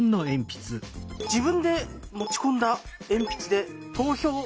「自分で持ち込んだ鉛筆で投票」。